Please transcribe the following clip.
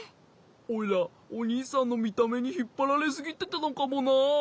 オイラおにいさんのみためにひっぱられすぎてたのかもな。